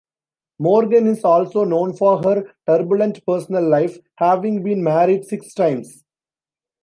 Morgan is also known for her turbulent personal life, having been married six times.